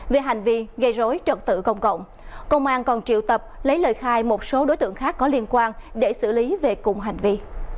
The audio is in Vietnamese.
về hành vi gây rối trật tự công cộng công an còn triệu tập lấy lời khai một số đối tượng khác có liên quan để xử lý về cùng hành vi